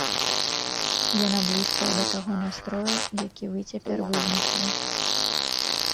Яна блізкая да таго настрою, які вы цяпер вызначылі.